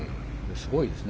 すごいですね。